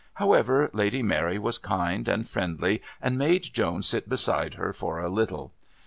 However, Lady Mary was kind and friendly and made Joan sit beside her for a little.